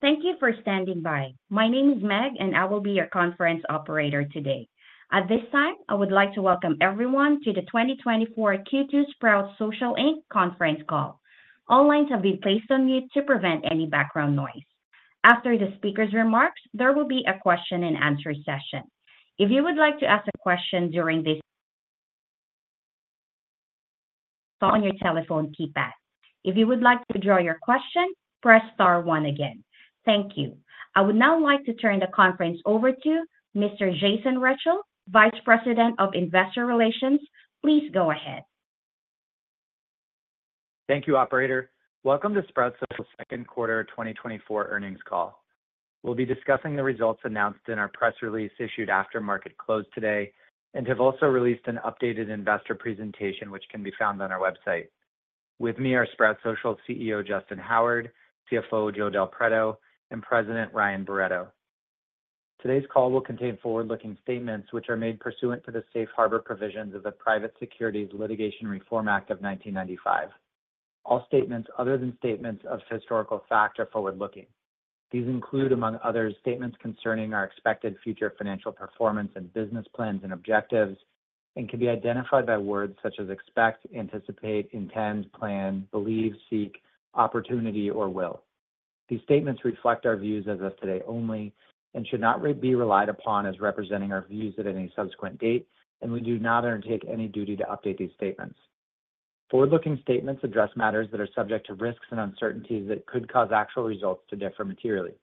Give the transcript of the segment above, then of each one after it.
Thank you for standing by. My name is Meg, and I will be your conference operator today. At this time, I would like to welcome everyone to the 2024 Q2 Sprout Social, Inc. Conference Call. All lines have been placed on mute to prevent any background noise. After the speaker's remarks, there will be a Q&A session. If you would like to ask a question during this... on your telephone keypad. If you would like to withdraw your question, press star one again. Thank you. I would now like to turn the conference over to Mr. Jason Rechel, Vice President of Investor Relations. Please go ahead. Thank you, operator. Welcome to Sprout Social's Second Quarter 2024 Earnings Call. We'll be discussing the results announced in our press release issued after market close today, and have also released an updated investor presentation, which can be found on our website. With me are Sprout Social's CEO, Justyn Howard, CFO, Joe DelPreto, and President, Ryan Barretto. Today's call will contain forward-looking statements which are made pursuant to the safe harbor provisions of the Private Securities Litigation Reform Act of 1995. All statements other than statements of historical fact are forward-looking. These include, among others, statements concerning our expected future financial performance and business plans and objectives, and can be identified by words such as expect, anticipate, intend, plan, believe, seek, opportunity, or will. These statements reflect our views as of today only and should not re... Be relied upon as representing our views at any subsequent date, and we do not undertake any duty to update these statements. Forward-looking statements address matters that are subject to risks and uncertainties that could cause actual results to differ materially.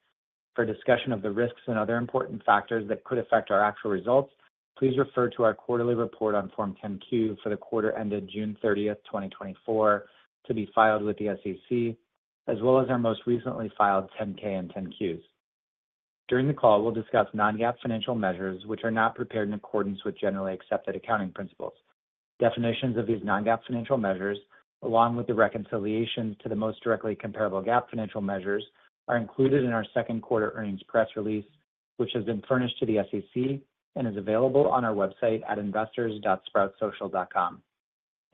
For a discussion of the risks and other important factors that could affect our actual results, please refer to our quarterly report on Form 10-Q for the quarter ended June 30, 2024, to be filed with the SEC, as well as our most recently filed 10-K and 10-Qs. During the call, we'll discuss non-GAAP financial measures, which are not prepared in accordance with generally accepted accounting principles. Definitions of these non-GAAP financial measures, along with the reconciliations to the most directly comparable GAAP financial measures, are included in our second quarter earnings press release, which has been furnished to the SEC and is available on our website at investors.sproutsocial.com.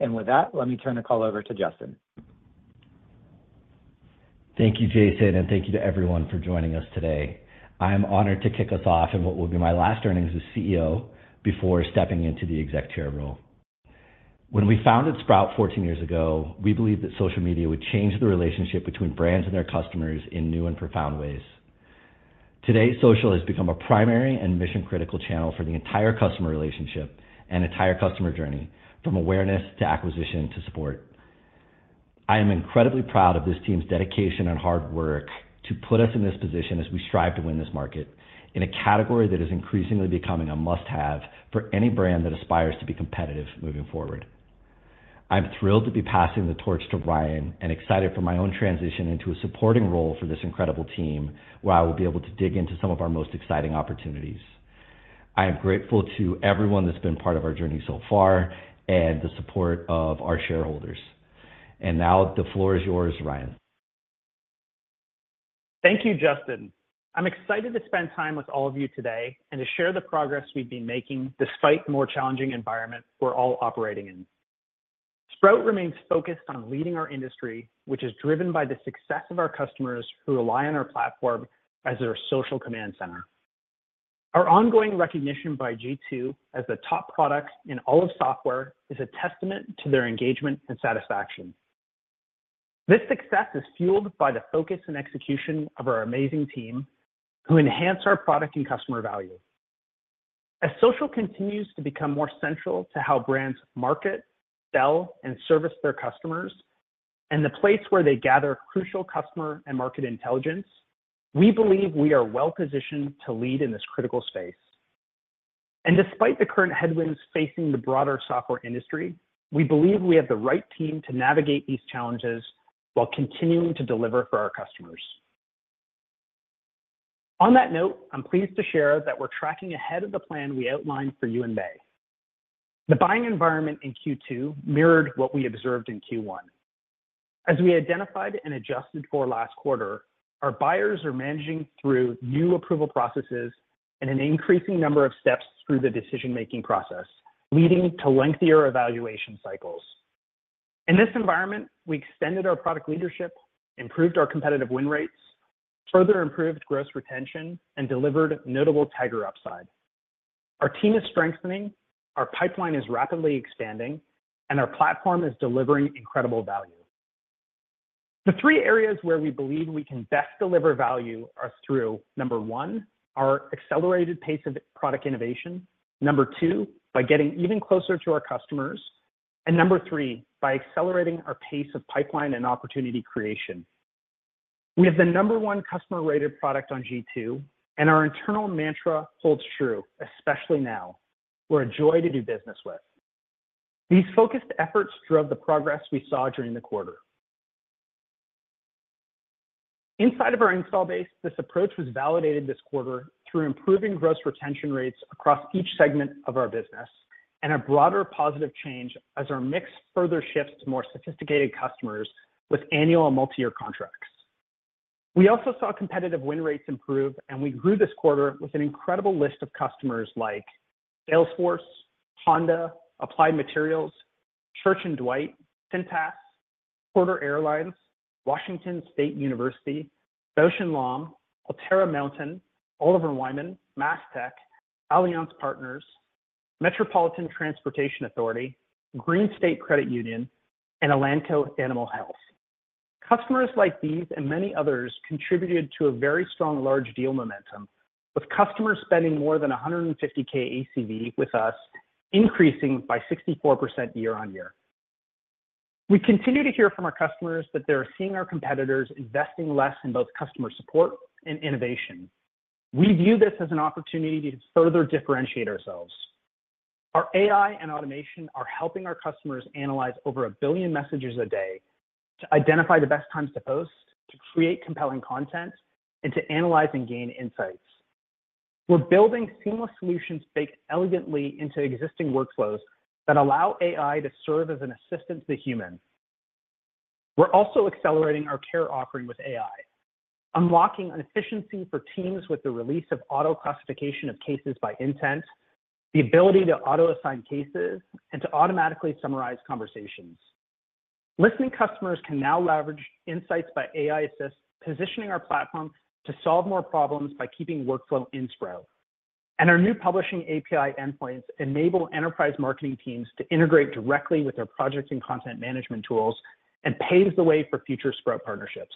With that, let me turn the call over to Justyn. Thank you, Jason, and thank you to everyone for joining us today. I am honored to kick us off in what will be my last earnings as CEO before stepping into the exec chair role. When we founded Sprout 14 years ago, we believed that social media would change the relationship between brands and their customers in new and profound ways. Today, social has become a primary and mission-critical channel for the entire customer relationship and entire customer journey, from awareness to acquisition to support. I am incredibly proud of this team's dedication and hard work to put us in this position as we strive to win this market in a category that is increasingly becoming a must-have for any brand that aspires to be competitive moving forward. I'm thrilled to be passing the torch to Ryan and excited for my own transition into a supporting role for this incredible team, where I will be able to dig into some of our most exciting opportunities. I am grateful to everyone that's been part of our journey so far, and the support of our shareholders. And now, the floor is yours, Ryan. Thank you, Justyn. I'm excited to spend time with all of you today and to share the progress we've been making despite the more challenging environment we're all operating in. Sprout remains focused on leading our industry, which is driven by the success of our customers who rely on our platform as their social command center. Our ongoing recognition by G2 as the top product in all of software is a testament to their engagement and satisfaction. This success is fueled by the focus and execution of our amazing team, who enhance our product and customer value. As social continues to become more central to how brands market, sell, and service their customers, and the place where they gather crucial customer and market intelligence, we believe we are well positioned to lead in this critical space. And despite the current headwinds facing the broader software industry, we believe we have the right team to navigate these challenges while continuing to deliver for our customers. On that note, I'm pleased to share that we're tracking ahead of the plan we outlined for you in May. The buying environment in Q2 mirrored what we observed in Q1. As we identified and adjusted for last quarter, our buyers are managing through new approval processes and an increasing number of steps through the decision-making process, leading to lengthier evaluation cycles. In this environment, we extended our product leadership, improved our competitive win rates, further improved gross retention, and delivered notable Tagger upside. Our team is strengthening, our pipeline is rapidly expanding, and our platform is delivering incredible value. The three areas where we believe we can best deliver value are through, number one, our accelerated pace of product innovation. Number 2, by getting even closer to our customers. And number 3, by accelerating our pace of pipeline and opportunity creation. We have the number 1 customer-rated product on G2, and our internal mantra holds true, especially now, we're a joy to do business with. These focused efforts drove the progress we saw during the quarter. Inside of our install base, this approach was validated this quarter through improving gross retention rates across each segment of our business and a broader positive change as our mix further shifts to more sophisticated customers with annual and multi-year contracts. We also saw competitive win rates improve, and we grew this quarter with an incredible list of customers like Salesforce, Honda, Applied Materials, Church & Dwight, Cintas, Porter Airlines, Washington State University, Alterra Mountain, Oliver Wyman, Mastech, Allianz Partners, Metropolitan Transportation Authority, GreenState Credit Union, and Elanco Animal Health. Customers like these and many others contributed to a very strong, large deal momentum, with customers spending more than $150K ACV with us, increasing by 64% year-on-year. We continue to hear from our customers that they're seeing our competitors investing less in both customer support and innovation. We view this as an opportunity to further differentiate ourselves. Our AI and automation are helping our customers analyze over 1 billion messages a day, to identify the best times to post, to create compelling content, and to analyze and gain insights. We're building seamless solutions baked elegantly into existing workflows that allow AI to serve as an assistant to humans. We're also accelerating our care offering with AI, unlocking an efficiency for teams with the release of auto-classification of cases by intent, the ability to auto-assign cases, and to automatically summarize conversations. Listening customers can now leverage insights by AI Assist, positioning our platform to solve more problems by keeping workflow in Sprout. And our new publishing API endpoints enable enterprise marketing teams to integrate directly with their projects and content management tools and paves the way for future Sprout partnerships.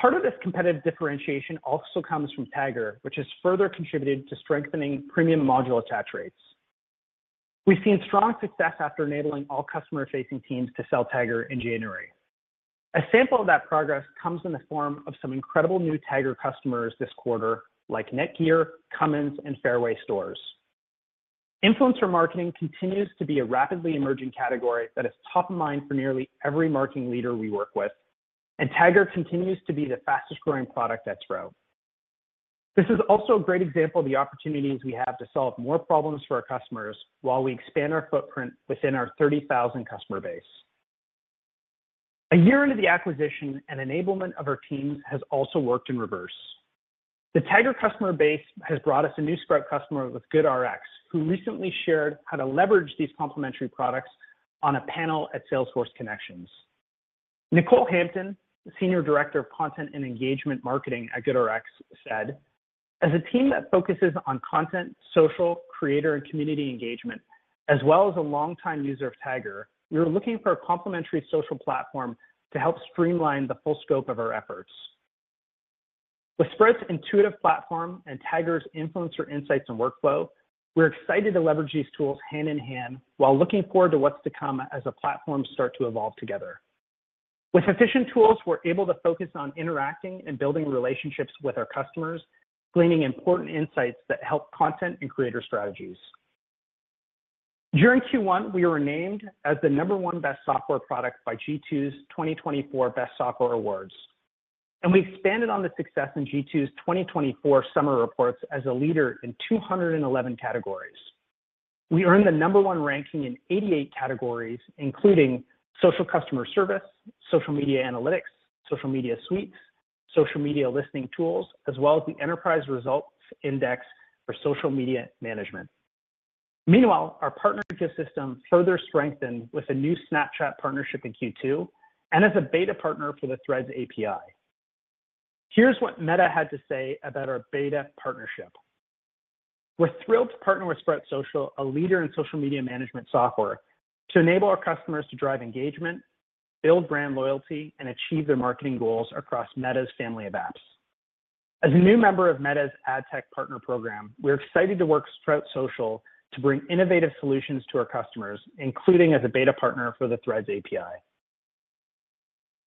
Part of this competitive differentiation also comes from Tagger, which has further contributed to strengthening premium module attach rates. We've seen strong success after enabling all customer-facing teams to sell Tagger in January. A sample of that progress comes in the form of some incredible new Tagger customers this quarter, like Netgear, Cummins, and Fareway Stores. Influencer marketing continues to be a rapidly emerging category that is top of mind for nearly every marketing leader we work with, and Tagger continues to be the fastest-growing product at Sprout. This is also a great example of the opportunities we have to solve more problems for our customers while we expand our footprint within our 30,000 customer base. A year into the acquisition, an enablement of our teams has also worked in reverse. The Tagger customer base has brought us a new Sprout customer with GoodRx, who recently shared how to leverage these complementary products on a panel at Salesforce Connections. Nicole Hampton, Senior Director of Content and Engagement Marketing at GoodRx, said, "As a team that focuses on content, social, creator, and community engagement, as well as a long-time user of Tagger, we were looking for a complementary social platform to help streamline the full scope of our efforts. With Sprout's intuitive platform and Tagger's influencer, insights, and workflow, we're excited to leverage these tools hand in hand while looking forward to what's to come as the platforms start to evolve together. With efficient tools, we're able to focus on interacting and building relationships with our customers, gleaning important insights that help content and creator strategies." During Q1, we were named as the number one best software product by G2's 2024 Best Software Awards, and we expanded on the success in G2's 2024 summer reports as a leader in 211 categories. We earned the number one ranking in 88 categories, including Social Customer Service, Social Media Analytics, Social Media Suites, Social Media Listening Tools, as well as the Enterprise Results Index for Social Media Management. Meanwhile, our partnership system further strengthened with a new Snapchat partnership in Q2 and as a beta partner for the Threads API. Here's what Meta had to say about our beta partnership: "We're thrilled to partner with Sprout Social, a leader in Social Media Management software, to enable our customers to drive engagement, build brand loyalty, and achieve their marketing goals across Meta's family of apps. As a new member of Meta's Ad Tech Partner program, we're excited to work with Sprout Social to bring innovative solutions to our customers, including as a beta partner for the Threads API."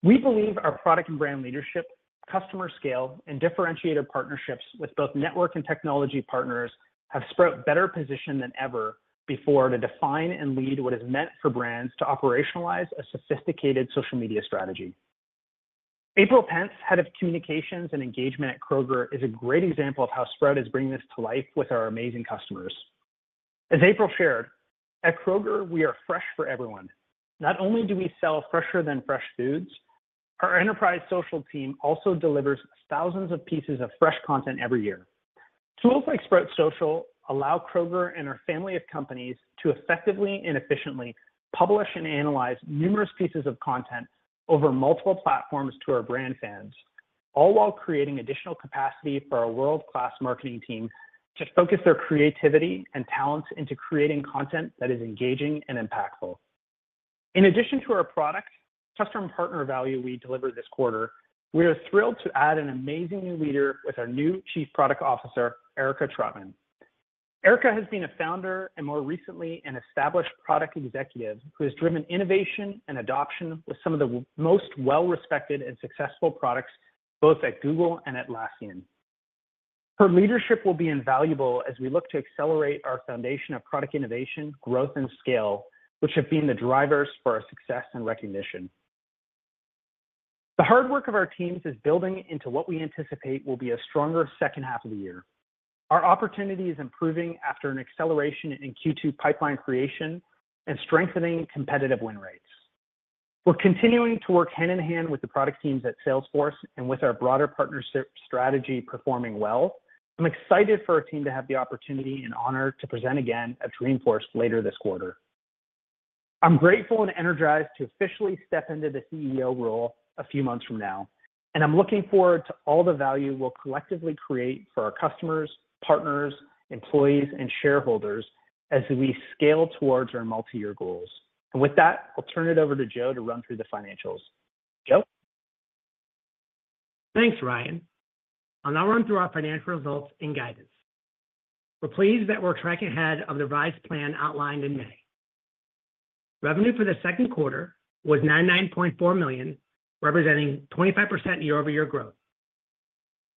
We believe our product and brand leadership, customer scale, and differentiator partnerships with both network and technology partners have Sprout better positioned than ever before to define and lead what is meant for brands to operationalize a sophisticated social media strategy. April Pence, Head of Communications and Engagement at Kroger, is a great example of how Sprout is bringing this to life with our amazing customers. As April shared, "At Kroger, we are fresh for everyone. Not only do we sell fresher-than-fresh foods, our enterprise social team also delivers thousands of pieces of fresh content every year. Tools like Sprout Social allow Kroger and our family of companies to effectively and efficiently publish and analyze numerous pieces of content over multiple platforms to our brand fans, all while creating additional capacity for our world-class marketing team to focus their creativity and talents into creating content that is engaging and impactful." In addition to our product, customer, and partner value we delivered this quarter, we are thrilled to add an amazing new leader with our new Chief Product Officer, Erica Trautman. Erica has been a founder and more recently, an established product executive who has driven innovation and adoption with some of the most well-respected and successful products, both at Google and Atlassian. Her leadership will be invaluable as we look to accelerate our foundation of product innovation, growth, and scale, which have been the drivers for our success and recognition. The hard work of our teams is building into what we anticipate will be a stronger second half of the year. Our opportunity is improving after an acceleration in Q2 pipeline creation and strengthening competitive win rates. We're continuing to work hand-in-hand with the product teams at Salesforce, and with our broader partnership strategy performing well, I'm excited for our team to have the opportunity and honor to present again at Dreamforce later this quarter. I'm grateful and energized to officially step into the CEO role a few months from now, and I'm looking forward to all the value we'll collectively create for our customers, partners, employees, and shareholders as we scale towards our multi-year goals. With that, I'll turn it over to Joe to run through the financials. Joe? Thanks, Ryan. I'll now run through our financial results and guidance. We're pleased that we're tracking ahead of the revised plan outlined in May. Revenue for the second quarter was $99.4 million, representing 25% year-over-year growth.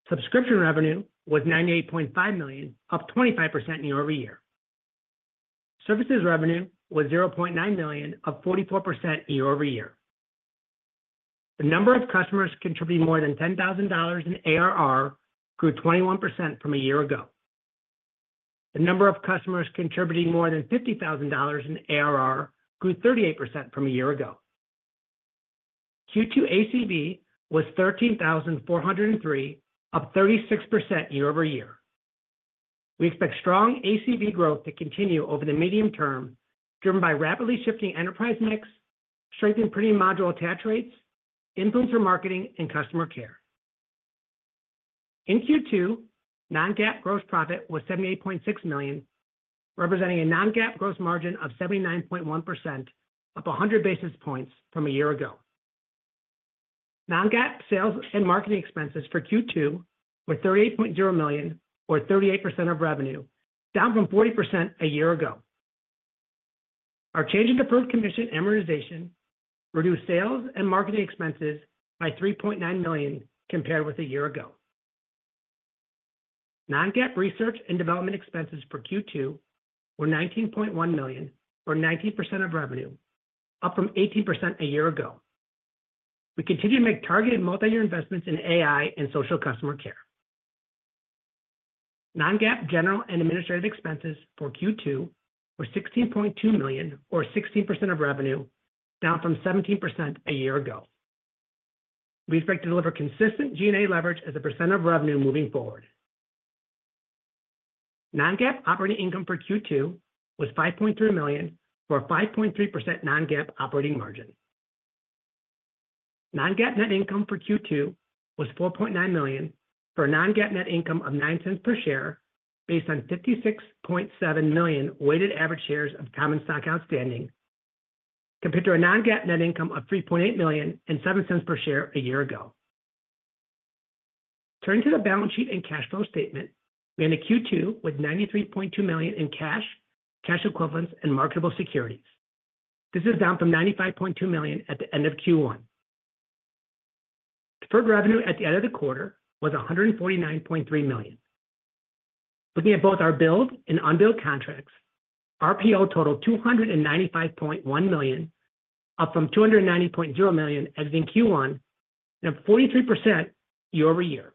Subscription revenue was $98.5 million, up 25% year-over-year. Services revenue was $0.9 million, up 44% year-over-year. The number of customers contributing more than $10,000 in ARR grew 21% from a year ago. The number of customers contributing more than $50,000 in ARR grew 38% from a year ago. Q2 ACV was $13,403, up 36% year-over-year. We expect strong ACV growth to continue over the medium term, driven by rapidly shifting enterprise mix, strengthened premium module attach rates, influencer marketing, and customer care. In Q2, non-GAAP gross profit was $78.6 million, representing a non-GAAP gross margin of 79.1%, up 100 basis points from a year ago. Non-GAAP sales and marketing expenses for Q2 were $38.0 million, or 38% of revenue, down from 40% a year ago. Our change in deferred commission amortization reduced sales and marketing expenses by $3.9 million compared with a year ago. Non-GAAP research and development expenses for Q2 were $19.1 million, or 19% of revenue, up from 18% a year ago. We continue to make targeted multi-year investments in AI and social customer care. Non-GAAP general and administrative expenses for Q2 were $16.2 million, or 16% of revenue, down from 17% a year ago. We expect to deliver consistent G&A leverage as a % of revenue moving forward. Non-GAAP operating income for Q2 was $5.3 million, or a 5.3% non-GAAP operating margin. Non-GAAP net income for Q2 was $4.9 million, for a non-GAAP net income of $0.09 per share, based on 56.7 million weighted average shares of common stock outstanding, compared to a non-GAAP net income of $3.8 million and $0.07 per share a year ago. Turning to the balance sheet and cash flow statement, we ended Q2 with $93.2 million in cash, cash equivalents, and marketable securities. This is down from $95.2 million at the end of Q1. Deferred revenue at the end of the quarter was $149.3 million. Looking at both our billed and unbilled contracts, our RPO totaled $295.1 million, up from $290.0 million as in Q1, and up 43% year-over-year.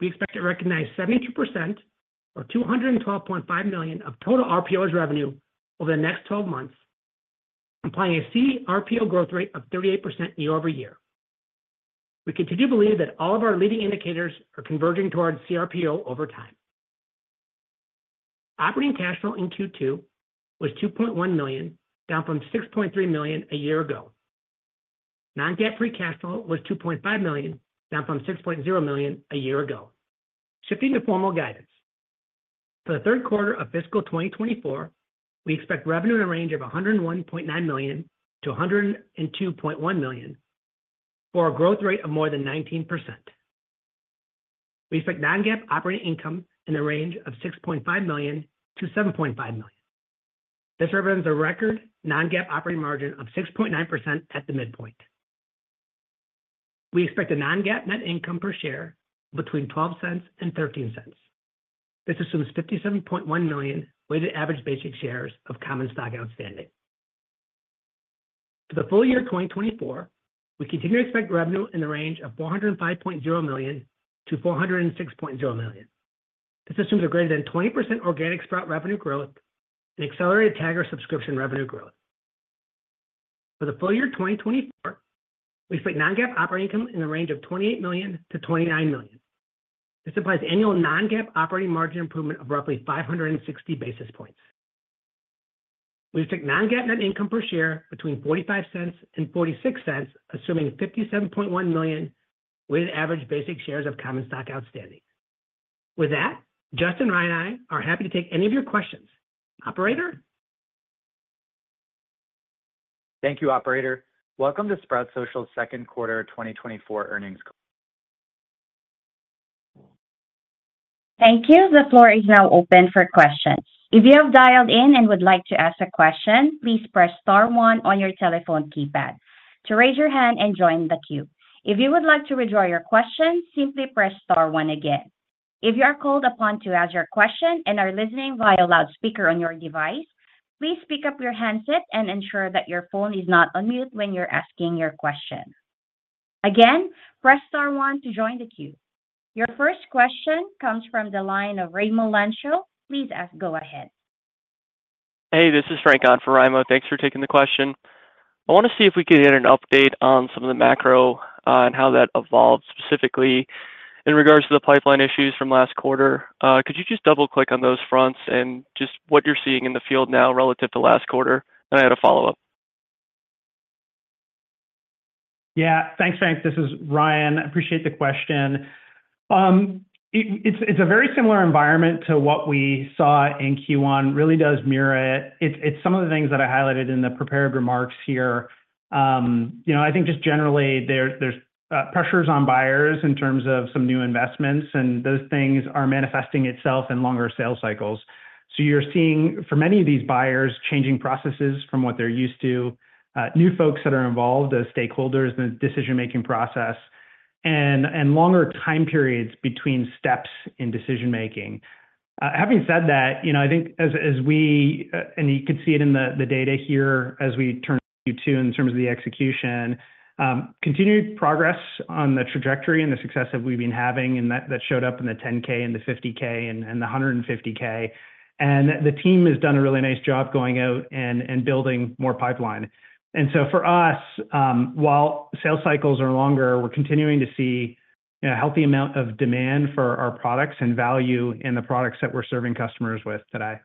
We expect to recognize 72%, or $212.5 million, of total RPO's revenue over the next twelve months, implying a CRPO growth rate of 38% year-over-year. We continue to believe that all of our leading indicators are converging towards CRPO over time. Operating cash flow in Q2 was $2.1 million, down from $6.3 million a year ago. Non-GAAP free cash flow was $2.5 million, down from $6.0 million a year ago. Shifting to formal guidance. For the third quarter of fiscal 2024, we expect revenue in a range of $101.9 million-$102.1 million, for a growth rate of more than 19%. We expect non-GAAP operating income in the range of $6.5 million-$7.5 million. This represents a record non-GAAP operating margin of 6.9% at the midpoint. We expect a non-GAAP net income per share between $0.12 and $0.13. This assumes 57.1 million weighted average basic shares of common stock outstanding. For the full year 2024, we continue to expect revenue in the range of $405.0 million-$406.0 million. This assumes are greater than 20% organic Sprout revenue growth and accelerated Tagger subscription revenue growth. For the full year 2024, we expect non-GAAP operating income in the range of $28 million-$29 million. This applies annual non-GAAP operating margin improvement of roughly 560 basis points. We expect non-GAAP net income per share between $0.45 and $0.46, assuming 57.1 million weighted average basic shares of common stock outstanding. With that, Justyn, Ryan, I are happy to take any of your questions. Operator? Thank you, operator. Welcome to Sprout Social's Second Quarter 2024 Earnings Call. Thank you. The floor is now open for questions. If you have dialed in and would like to ask a question, please press star one on your telephone keypad to raise your hand and join the queue. If you would like to withdraw your question, simply press star one again. If you are called upon to ask your question and are listening via loudspeaker on your device, please pick up your handset and ensure that your phone is not on mute when you're asking your question. Again, press star one to join the queue. Your first question comes from the line of Raimo Lenschow. Please ask, go ahead. Hey, this is Frank on for Raimo. Thanks for taking the question. I want to see if we could get an update on some of the macro, and how that evolved, specifically in regards to the pipeline issues from last quarter. Could you just double-click on those fronts and just what you're seeing in the field now relative to last quarter? And I had a follow-up. Yeah. Thanks, Frank. This is Ryan. I appreciate the question. It's a very similar environment to what we saw in Q1, really does mirror it. It's it's some of the things that I highlighted in the prepared remarks here. You know, I think just generally, there's pressures on buyers in terms of some new investments, and those things are manifesting itself in longer sales cycles. So you're seeing, for many of these buyers, changing processes from what they're used to, new folks that are involved as stakeholders in the decision-making process, and longer time periods between steps in decision making. Having said that, you know, I think as we. And you could see it in the data here as we turn to in terms of the execution, continued progress on the trajectory and the success that we've been having, and that showed up in the 10K and the 50K and the 150K. And the team has done a really nice job going out and building more pipeline. And so for us, while sales cycles are longer, we're continuing to see a healthy amount of demand for our products and value in the products that we're serving customers with today.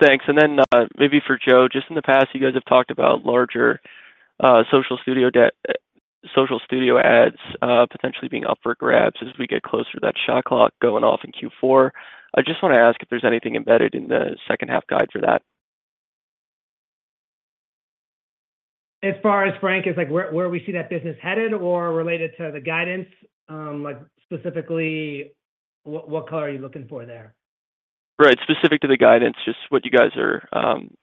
Thanks. And then, maybe for Joe, just in the past, you guys have talked about larger, Social Studio de- Social Studio accounts, potentially being up for grabs as we get closer to that shot clock going off in Q4. I just want to ask if there's anything embedded in the second half guide for that. As far as, Frank, is like where we see that business headed or related to the guidance, like specifically, what color are you looking for there? Right. Specific to the guidance, just what you guys are,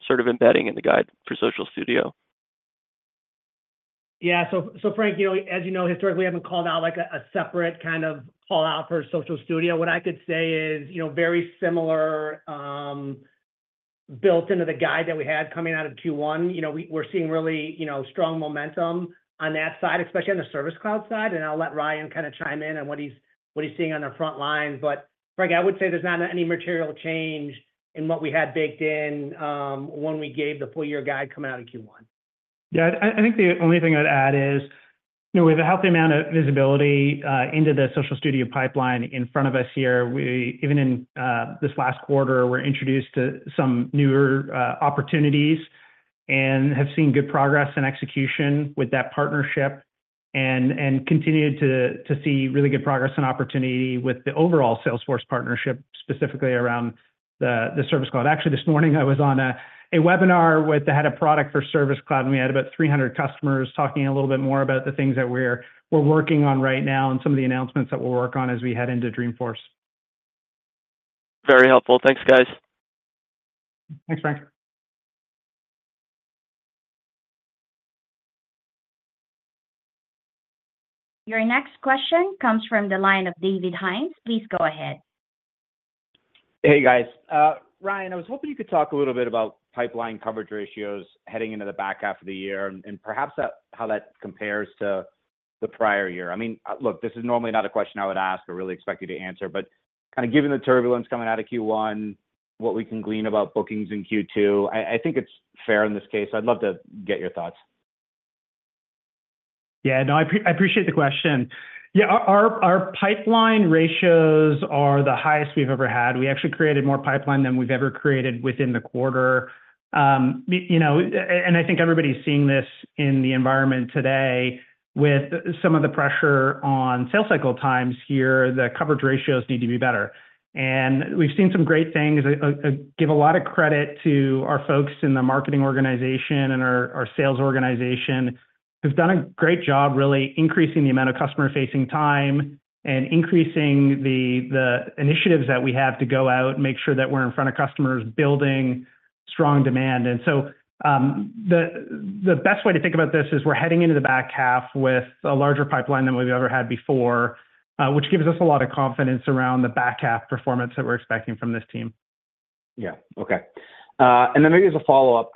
sort of embedding in the guide for Social Studio. Yeah. So, so Frank, you know, as you know, historically, we haven't called out like a separate kind of call-out for Social Studio. What I could say is, you know, very similar, built into the guide that we had coming out of Q1. You know, we're seeing really, you know, strong momentum on that side, especially on the Service Cloud side, and I'll let Ryan kinda chime in on what he's seeing on the front lines. But Frank, I would say there's not any material change in what we had baked in, when we gave the full year guide coming out in Q1. Yeah. I think the only thing I'd add is, you know, we have a healthy amount of visibility into the Social Studio pipeline in front of us here. We, even in this last quarter, were introduced to some newer opportunities and have seen good progress and execution with that partnership, and and continued to to see really good progress and opportunity with the overall Salesforce partnership, specifically around the the Service Cloud. Actually, this morning, I was on a webinar with the head of product for Service Cloud, and we had about 300 customers talking a little bit more about the things that we're we're working on right now and some of the announcements that we'll work on as we head into Dreamforce. Very helpful. Thanks, guys. Thanks, Frank. Your next question comes from the line of David Hynes. Please go ahead. Hey, guys. Ryan, I was hoping you could talk a little bit about pipeline coverage ratios heading into the back half of the year, and perhaps how that compares to the prior year. I mean, look, this is normally not a question I would ask or really expect you to answer, but kinda given the turbulence coming out of Q1, what we can glean about bookings in Q2, I think it's fair in this case. I'd love to get your thoughts. Yeah, no, I appreciate the question. Yeah, our our pipeline ratios are the highest we've ever had. We actually created more pipeline than we've ever created within the quarter. You know, and I think everybody's seeing this in the environment today with some of the pressure on sales cycle times here, the coverage ratios need to be better. And we've seen some great things, give a lot of credit to our folks in the marketing organization and our sales organization, who've done a great job really increasing the amount of customer-facing time and increasing the the initiatives that we have to go out, make sure that we're in front of customers, building strong demand. And so, the the best way to think about this is we're heading into the back half with a larger pipeline than we've ever had before, which gives us a lot of confidence around the back half performance that we're expecting from this team. Yeah. Okay. And then maybe as a follow-up,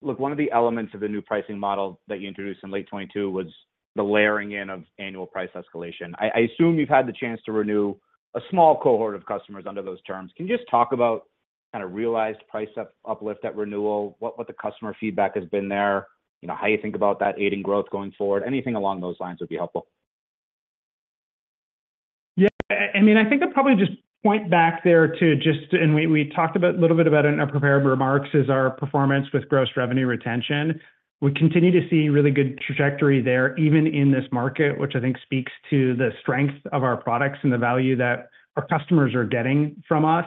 look, one of the elements of the new pricing model that you introduced in late 2022 was the layering in of annual price escalation. I assume you've had the chance to renew a small cohort of customers under those terms. Can you just talk about kinda realized price uplift at renewal, what the customer feedback has been there, you know, how you think about that aiding growth going forward? Anything along those lines would be helpful. Yeah. I mean, I think I'd probably point back there to, and we talked about a little bit about in our prepared remarks, is our performance with gross revenue retention. We continue to see really good trajectory there, even in this market, which I think speaks to the strength of our products and the value that our customers are getting from us.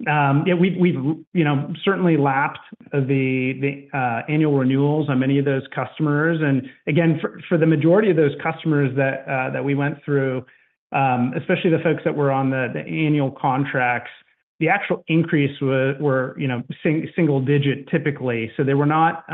Yeah, we've you know, certainly lapsed the annual renewals on many of those customers. And again, for for the majority of those customers that that we went through, especially the folks that were on the annual contracts, the actual increase were were you know, single digit typically. So they were not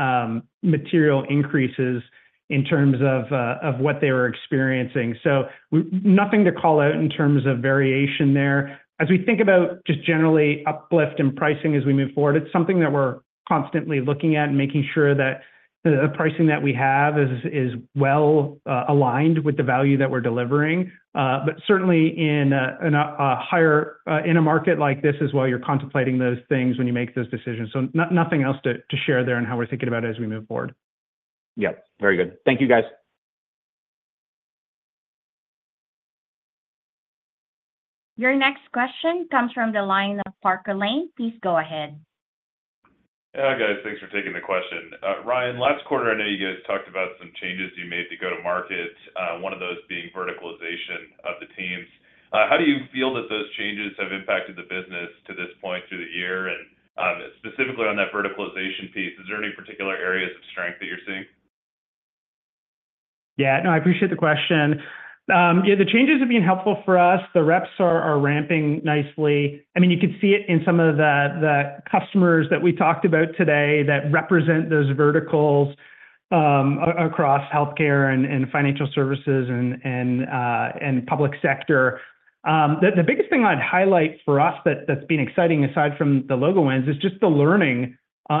material increases in terms of of what they were experiencing. So nothing to call out in terms of variation there. As we think about just generally uplift in pricing as we move forward, it's something that we're constantly looking at and making sure that the pricing that we have is is well aligned with the value that we're delivering. But certainly in a higher, in a market like this as well, you're contemplating those things when you make those decisions. So nothing else to share there on how we're thinking about it as we move forward. Yeah. Very good. Thank you, guys. Your next question comes from the line of Parker Lane. Please go ahead. Hi, guys. Thanks for taking the question. Ryan, last quarter, I know you guys talked about some changes you made to go to market, one of those being verticalization of the teams. How do you feel that those changes have impacted the business to this point through the year? Specifically on that verticalization piece, is there any particular areas of strength that you're seeing? Yeah. No, I appreciate the question. Yeah, the changes have been helpful for us. The reps are ramping nicely. I mean, you could see it in some of the the customers that we talked about today that represent those verticals across healthcare and financial services and and public sector. The biggest thing I'd highlight for us that's been exciting aside from the logo wins is just the learning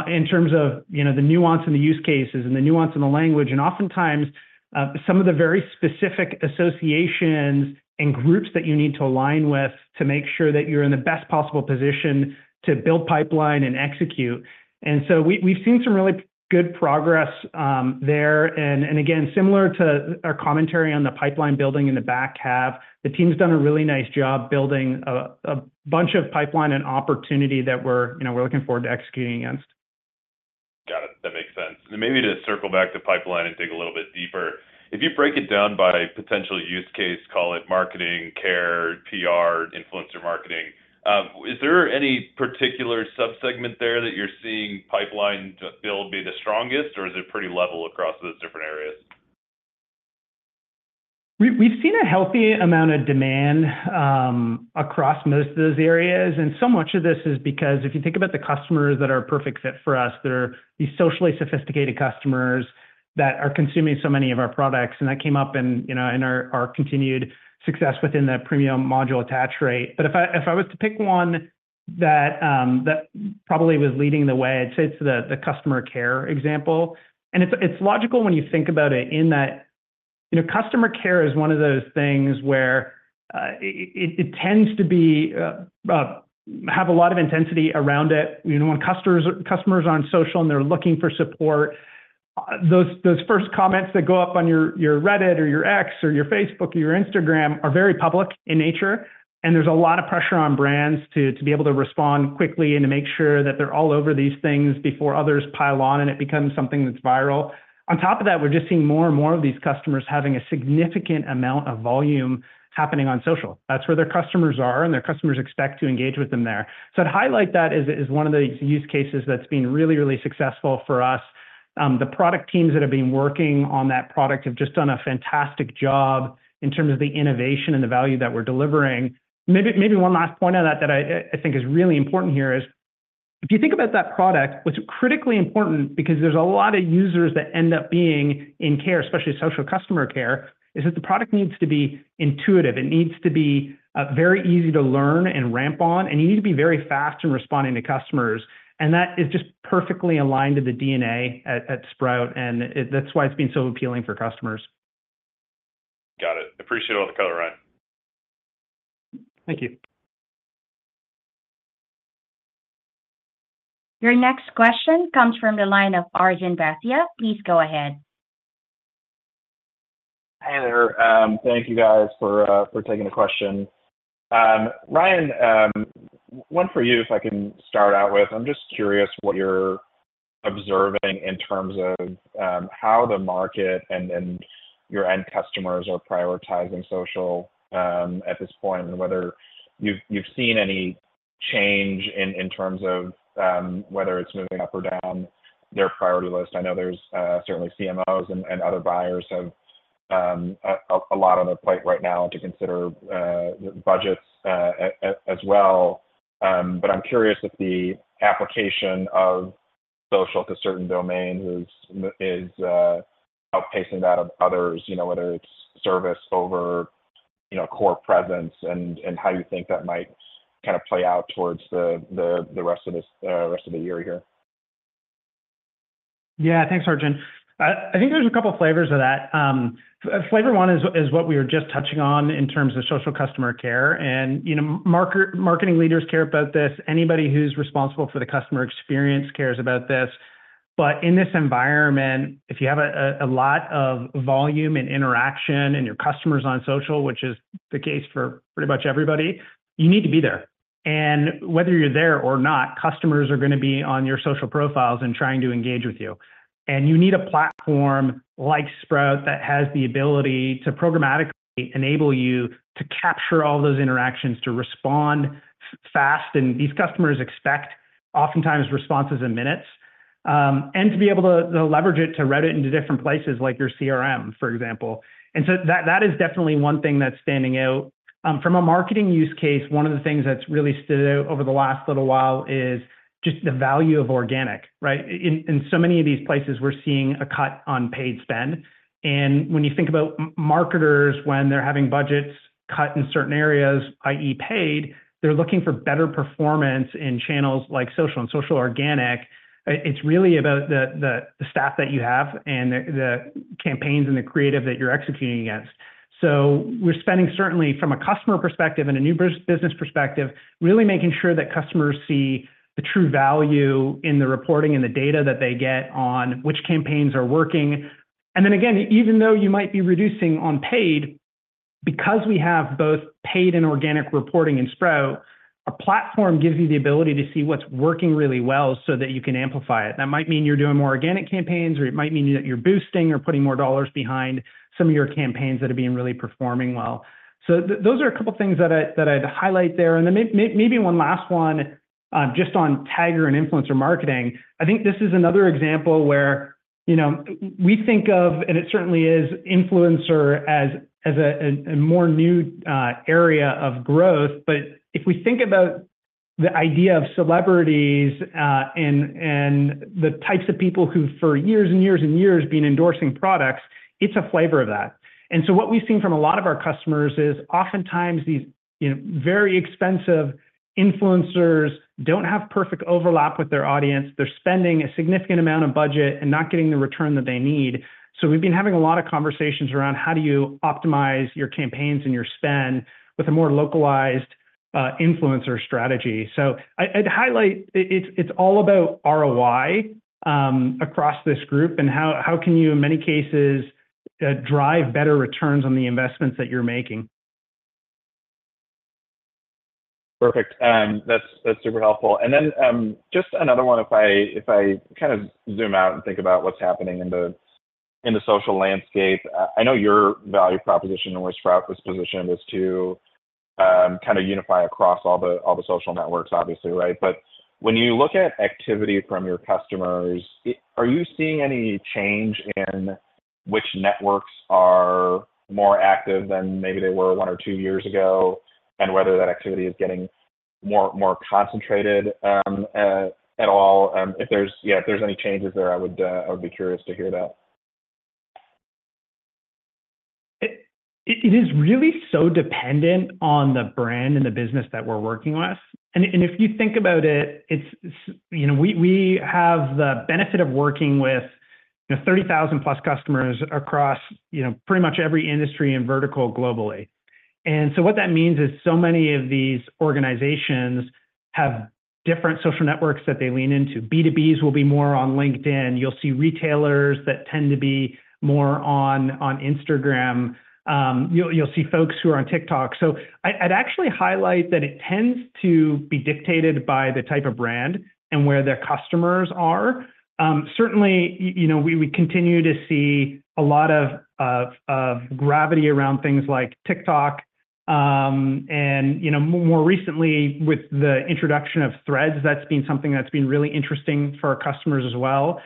in terms of, you know, the nuance and the use cases and the nuance in the language, and oftentimes some of the very specific associations and groups that you need to align with to make sure that you're in the best possible position to build pipeline and execute. And so we've seen some really good progress there. And again, similar to our commentary on the pipeline building in the back half, the team's done a really nice job building a bunch of pipeline and opportunity that we're, you know, looking forward to executing against. Got it. That makes sense. And maybe to circle back to pipeline and dig a little bit deeper, if you break it down by potential use case, call it marketing, care, PR, influencer marketing, is there any particular subsegment there that you're seeing pipeline build be the strongest, or is it pretty level across those different areas? We've seen a healthy amount of demand across most of those areas, and so much of this is because if you think about the customers that are a perfect fit for us, they're these socially sophisticated customers that are consuming so many of our products. And that came up in, you know, our continued success within the premium module attach rate. But if I was to pick one that that probably was leading the way, I'd say it's the customer care example. And it's logical when you think about it in that, you know, customer care is one of those things where it tends to have a lot of intensity around it. You know, when customers are on social, and they're looking for support, those those first comments that go up on your Reddit or your X, or your Facebook, or your Instagram are very public in nature, and there's a lot of pressure on brands to be able to respond quickly and to make sure that they're all over these things before others pile on, and it becomes something that's viral. On top of that, we're just seeing more and more of these customers having a significant amount of volume happening on social. That's where their customers are, and their customers expect to engage with them there. So to highlight that is is one of the use cases that's been really, really successful for us. The product teams that have been working on that product have just done a fantastic job in terms of the innovation and the value that we're delivering. Maybe one last point on that that I think is really important here is, if you think about that product, what's critically important, because there's a lot of users that end up being in care, especially social customer care, is that the product needs to be intuitive. It needs to be very easy to learn and ramp on, and you need to be very fast in responding to customers, and that is just perfectly aligned to the DNA at Sprout, and that's why it's been so appealing for customers. Got it. Appreciate all the color, Ryan. Thank you. Your next question comes from the line of Arjun Bhatia. Please go ahead. Hi, there. Thank you guys for for taking the question. Ryan, one for you, if I can start out with. I'm just curious what you're observing in terms of how the market and and your end customers are prioritizing social at this point, and whether you've you've seen any change in terms of whether it's moving up or down their priority list. I know there's certainly CMOs and other buyers have a lot on their plate right now to consider budgets as well. But I'm curious if the application of social to certain domains is outpacing that of others, you know, whether it's service over, you know, core presence and how you think that might kind of play out towards the the the rest of this rest of the year here. Yeah. Thanks, Arjun. I, I think there's a couple of flavors of that. Flavor one is what we were just touching on in terms of social customer care, and, you know, marketing leaders care about this. Anybody who's responsible for the customer experience cares about this. But in this environment, if you have a lot of volume and interaction, and your customer's on social, which is the case for pretty much everybody, you need to be there. And whether you're there or not, customers are gonna be on your social profiles and trying to engage with you. And you need a platform like Sprout that has the ability to programmatically enable you to capture all those interactions, to respond fast, and these customers expect, oftentimes, responses in minutes. And to be able to, to leverage it, to route it into different places like your CRM, for example. And so that, that is definitely one thing that's standing out. From a marketing use case, one of the things that's really stood out over the last little while is just the value of organic, right? In so many of these places, we're seeing a cut on paid spend. And when you think about marketers, when they're having budgets cut in certain areas, i.e., paid, they're looking for better performance in channels like social and social organic. It's really about the the staff that you have and the campaigns and the creative that you're executing against. So we're spending, certainly from a customer perspective and a new business perspective, really making sure that customers see the true value in the reporting and the data that they get on which campaigns are working. And then again, even though you might be reducing on paid, because we have both paid and organic reporting in Sprout, our platform gives you the ability to see what's working really well so that you can amplify it. That might mean you're doing more organic campaigns, or it might mean that you're boosting or putting more dollars behind some of your campaigns that have been really performing well. So those are a couple of things that I, that I'd highlight there. And then maybe one last one, just on Tagger and influencer marketing. I think this is another example where, you know, we think of, and it certainly is, influencer as a more new area of growth. But if we think about the idea of celebrities, and and and the types of people who for years and years and years been endorsing products, it's a flavor of that. And so what we've seen from a lot of our customers is oftentimes these, you know, very expensive influencers don't have perfect overlap with their audience. They're spending a significant amount of budget and not getting the return that they need. So we've been having a lot of conversations around how do you optimize your campaigns and your spend with a more localized influencer strategy. So I'd highlight it. It's all about ROI across this group and how, how can you in many cases, you can drive better returns on the investments that you're making? Perfect. That's super helpful. And then, just another one, if I, if I kind of zoom out and think about what's happening in the, in the social landscape, I know your value proposition in which Sprout was positioned was to kind of unify across all the, all the social networks, obviously, right? But when you look at activity from your customers, are you seeing any change in which networks are more active than maybe they were one or two years ago, and whether that activity is getting more more concentrated at all? Yeah, if there's any changes there, I would be curious to hear about. It is really so dependent on the brand and the business that we're working with. And if you think about it, it's you know we have the benefit of working with you know 30,000+ customers across you know pretty much every industry and vertical globally. And so what that means is so many of these organizations have different social networks that they lean into. B2Bs will be more on LinkedIn. You'll see retailers that tend to be more on on Instagram. You'll see folks who are on TikTok. So I'd actually highlight that it tends to be dictated by the type of brand and where their customers are. Certainly you know we continue to see a lot of of gravity around things like TikTok. And, you know, more recently, with the introduction of Threads, that's been something that's been really interesting for our customers as well.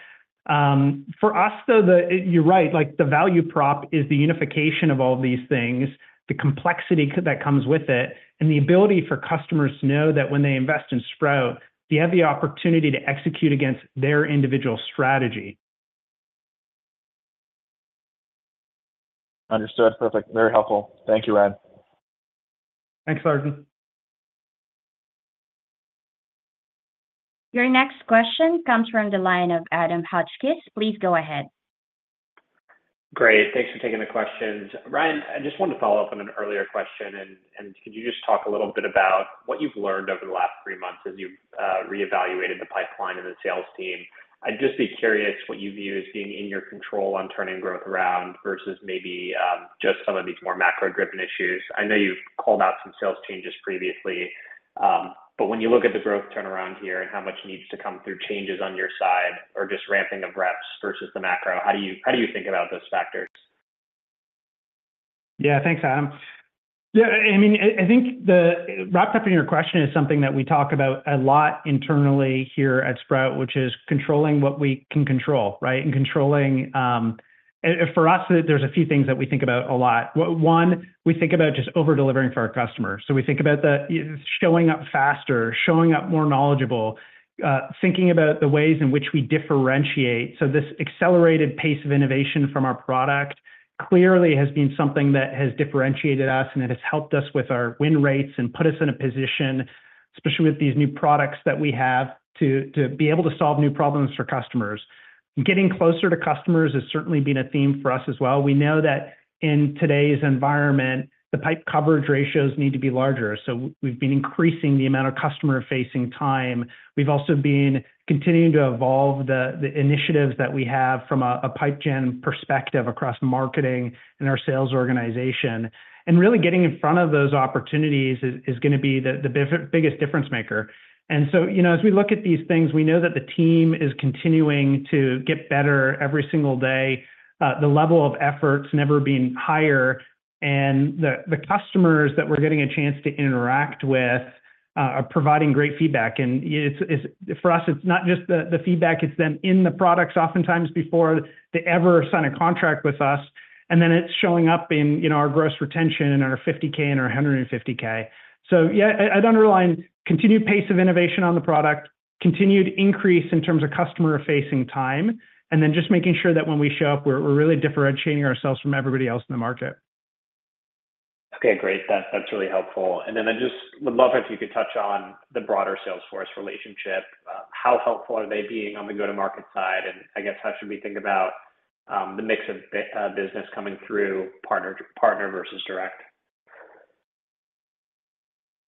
For us, though, the... You're right, like, the value prop is the unification of all these things, the complexity that comes with it, and the ability for customers to know that when they invest in Sprout, they have the opportunity to execute against their individual strategy. Understood. Perfect. Very helpful. Thank you, Ryan. Thanks, Arjun. Your next question comes from the line of Adam Hotchkiss. Please go ahead. Great. Thanks for taking the questions. Ryan, I just wanted to follow up on an earlier question, and and could you just talk a little bit about what you've learned over the last three months as you've reevaluated the pipeline and the sales team? I'd just be curious what you view as being in your control on turning growth around versus maybe just some of these more macro gripping issues. I know you've called out some sales changes previously, but when you look at the growth turnaround here and how much needs to come through changes on your side or just ramping of reps versus the macro, how do you, how do you think about those factors? Yeah, thanks, Adam. Yeah, I mean, I think that's wrapped up in your question is something that we talk about a lot internally here at Sprout, which is controlling what we can control, right? And controlling. For us, there's a few things that we think about a lot. One, we think about just over-delivering for our customers. So we think about showing up faster, showing up more knowledgeable, thinking about the ways in which we differentiate. So this accelerated pace of innovation from our product clearly has been something that has differentiated us, and it has helped us with our win rates and put us in a position, especially with these new products that we have, to to be able to solve new problems for customers. Getting closer to customers has certainly been a theme for us as well. We know that in today's environment, the pipeline coverage ratios need to be larger, so we've been increasing the amount of customer-facing time. We've also been continuing to evolve the initiatives that we have from a pipeline gen perspective across marketing and our sales organization. And really getting in front of those opportunities is gonna be the biggest difference maker. And so, you know, as we look at these things, we know that the team is continuing to get better every single day. The level of effort's never been higher, and the customers that we're getting a chance to interact with are providing great feedback. And it's for us, it's not just the feedback, it's them in the products oftentimes before they ever sign a contract with us. And then it's showing up in, you know, our gross retention in our 50K and our 150K. So, yeah, I, I'd underline continued pace of innovation on the product, continued increase in terms of customer-facing time, and then just making sure that when we show up, we're, we're really differentiating ourselves from everybody else in the market. Okay, great. That's, that's really helpful. And then I just would love if you could touch on the broader Salesforce relationship. How helpful are they being on the go-to-market side? And I guess, how should we think about the mix of business coming through partner versus direct?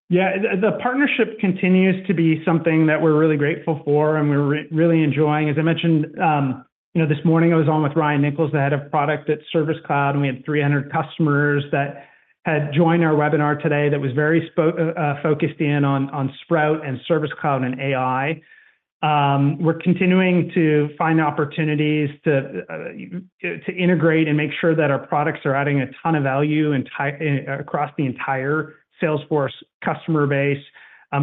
Yeah. The partnership continues to be something that we're really grateful for, and we're really enjoying. As I mentioned, you know, this morning, I was on with Ryan Nichols, the head of product at Service Cloud, and we had 300 customers that had joined our webinar today that was very focused in on on Sprout and Service Cloud and AI. We're continuing to find opportunities to to integrate and make sure that our products are adding a ton of value across the entire Salesforce customer base.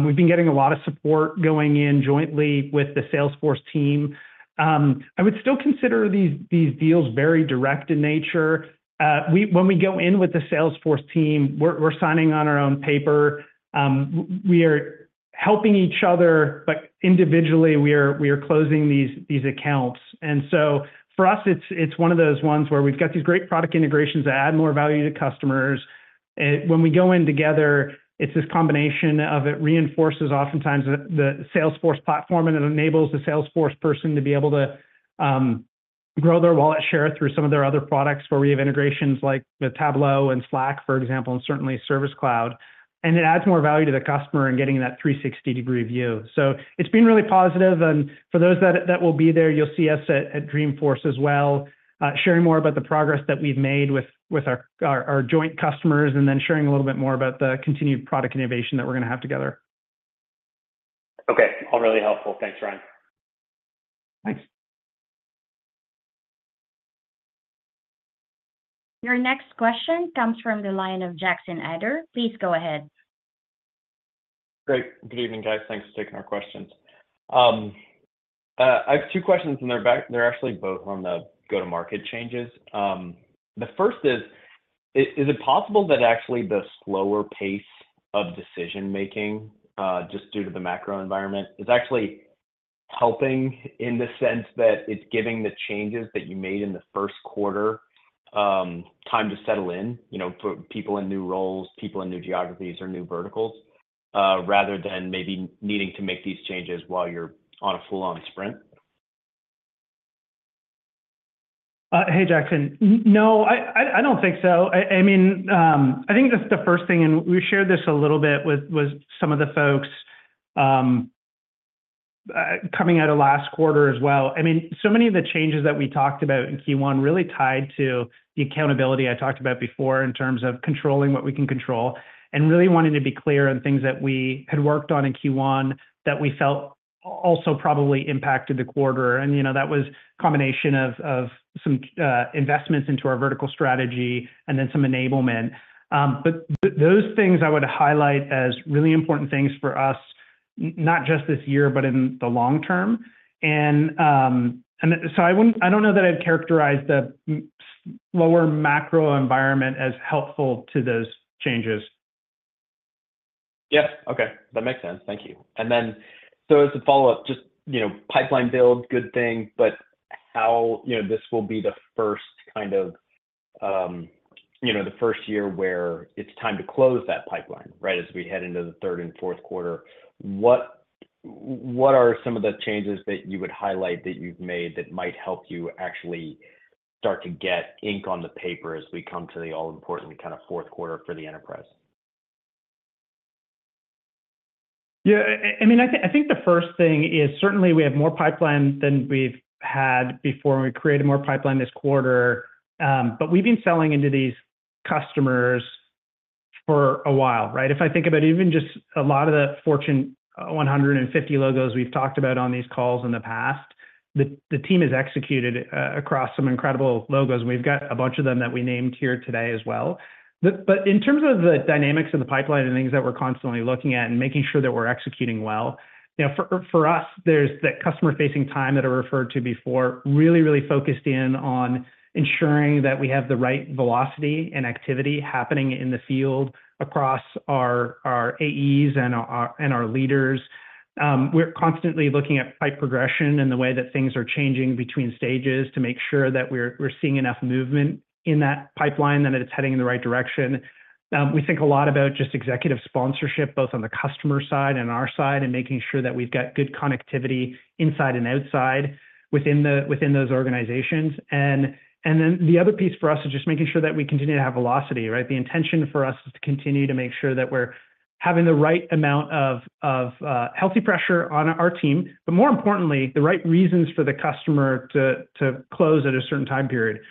We've been getting a lot of support going in jointly with the Salesforce team. I would still consider these deals very direct in nature. When we go in with the Salesforce team, we're signing on our own paper. We are helping each other, but individually, we are, we are closing these accounts. And so for us, it's one of those ones where we've got these great product integrations that add more value to customers. And when we go in together, it's this combination of it reinforces oftentimes the Salesforce platform, and it enables the Salesforce person to be able to grow their wallet share through some of their other products where we have integrations like with Tableau and Slack, for example, and certainly Service Cloud. And it adds more value to the customer in getting that 360-degree view. So it's been really positive, and for those that will be there, you'll see us at Dreamforce as well, sharing more about the progress that we've made with, with our joint customers, and then sharing a little bit more about the continued product innovation that we're gonna have together. Okay. All really helpful. Thanks, Ryan. Thanks. Your next question comes from the line of Jackson Ader. Please go ahead. Great. Good evening, guys. Thanks for taking our questions. I have two questions, and they're actually both on the go-to-market changes. The first is, is it possible that actually the slower pace of decision-making, just due to the macro environment, is actually helping in the sense that it's giving the changes that you made in the first quarter, time to settle in, you know, put people in new roles, people in new geographies or new verticals, rather than maybe needing to make these changes while you're on a full-on sprint? Hey, Jackson. No, I don't think so. I mean, I think just the first thing, and we shared this a little bit with with some of the folks coming out of last quarter as well. I mean, so many of the changes that we talked about in Q1 really tied to the accountability I talked about before in terms of controlling what we can control and really wanting to be clear on things that we had worked on in Q1 that we felt also probably impacted the quarter. And, you know, that was a combination of of some investments into our vertical strategy and then some enablement. But but those things I would highlight as really important things for us, not just this year, but in the long term. And, and so I wouldn't. I don't know that I'd characterize the lower macro environment as helpful to those changes. Yeah. Okay, that makes sense. Thank you. And then, so as a follow-up, just, you know, pipeline build, good thing, but how, you know, this will be the first kind of, you know, the first year where it's time to close that pipeline, right? As we head into the third and fourth quarter, what, what are some of the changes that you would highlight that might help you actually start to get ink on the paper as we come to the all-important kind of fourth quarter for the enterprise? Yeah. I mean, I think the first thing is certainly we have more pipeline than we've had before, and we created more pipeline this quarter. But we've been selling into these customers for a while, right? If I think about even just a lot of the Fortune 150 logos we've talked about on these calls in the past, the team has executed across some incredible logos. We've got a bunch of them that we named here today as well. But in terms of the dynamics of the pipeline and things that we're constantly looking at and making sure that we're executing well, you know, for, for us, there's that customer-facing time that I referred to before, really, really focused in on ensuring that we have the right velocity and activity happening in the field across our, our AEs and our, and our leaders. We're constantly looking at pipe progression and the way that things are changing between stages to make sure that we're, we're seeing enough movement in that pipeline than it's heading in the right direction. We think a lot about just executive sponsorship, both on the customer side and our side, and making sure that we've got good connectivity inside and outside, within within those organizations. And then the other piece for us is just making sure that we continue to have velocity, right? The intention for us is to continue to make sure that we're having the right amount of of healthy pressure on our team, but more importantly, the right reasons for the customer to to close at a certain time period.